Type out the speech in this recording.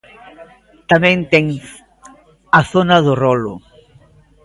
Tamén ten a zona do rolo.